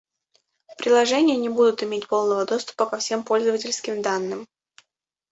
Приложения не будут иметь полного доступа ко всем пользовательским данным